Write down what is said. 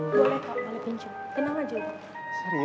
boleh kak boleh pinjem